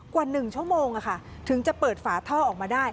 กว่า๑ชั่วโมงถึงจะเปิดฝาท่อออกมาได้